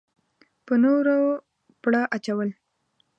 په نورو پړه اچول.